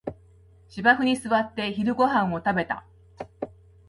芝生に座って昼ごはんを食べた